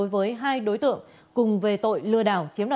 và tội phạm